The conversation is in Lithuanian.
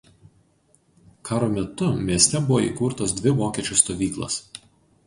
Karo metu mieste buvo įkurtos dvi vokiečių stovyklos.